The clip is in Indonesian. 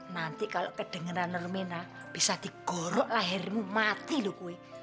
nanti kalau kedengeran normena bisa digorok lahirmu mati loh kue